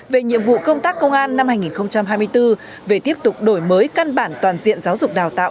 về nhiệm vụ công tác công an năm hai nghìn hai mươi bốn về tiếp tục đổi mới căn bản toàn diện giáo dục đào tạo